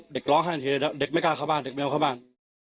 เด็กร้องไห้ทันทีแล้วเด็กไม่กล้าเข้าบ้านเด็กไม่เอาเข้าบ้าน